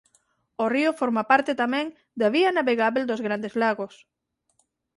O río forma parte tamén da vía navegábel dos Grandes Lagos.